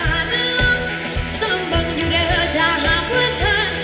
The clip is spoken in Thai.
ขาดล้อมส่องบ่งอยู่ในเฮือจากหาพ่อเธอ